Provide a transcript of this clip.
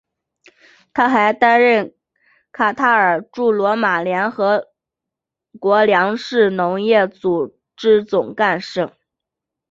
他还担任卡塔尔驻罗马联合国粮食农业组织总干事。